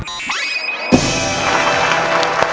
เพลงที่๒มาเลยครับ